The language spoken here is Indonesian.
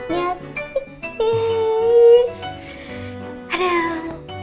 ya ampun mas dendi